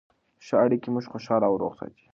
ښه اړیکې موږ خوشحاله او روغ ساتي.